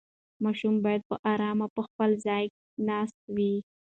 ماشوم باید په ارامه په خپل ځای ناست وای.